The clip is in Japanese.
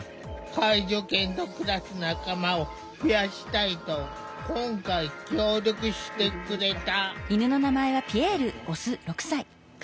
介助犬と暮らす仲間を増やしたいと今回協力してくれた。